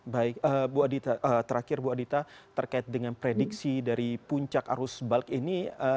baik bu adi terakhir bu adita terkait dengan prediksi dari puncak arus balik ini